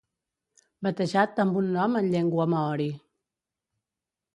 batejat amb un nom en llengua maori